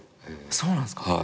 そうなんですか？